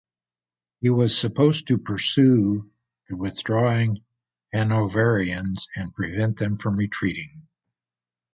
He was supposed to pursue the withdrawing Hanoverians and prevent them from retreating.